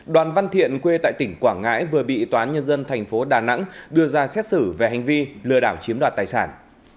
đoàn văn thiện quê tại tỉnh quảng ngãi vừa bị tòa nhân dân thành phố đà nẵng đưa ra xét xử về hành vi lừa đảo chiếm đoạt tài sản